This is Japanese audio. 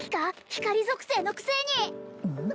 光属性のくせにうん？